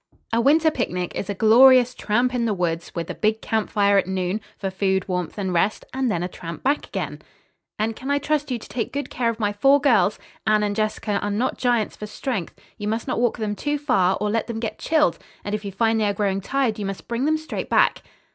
"A winter picnic is a glorious tramp in the woods, with a big camp fire at noon, for food, warmth and rest, and then a tramp back again." "And can I trust to you to take good care of my four girls? Anne and Jessica are not giants for strength. You must not walk them too far, or let them get chilled; and, if you find they are growing tired, you must bring them straight back."